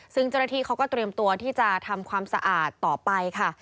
ซึ่งเจ้าหน้าที่เขาก็เตรียมตัวที่จะทำความสะอาดต่อไปค่ะ